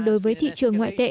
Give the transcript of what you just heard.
đối với thị trường ngoại tệ